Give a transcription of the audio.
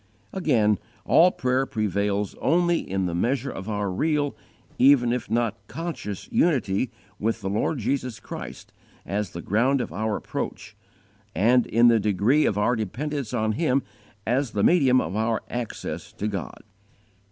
Again, all prayer prevails only in the measure of our real, even if not conscious, unity with the Lord Jesus Christ as the ground of our approach, and in the degree of our dependence on Him as the medium of our access to God.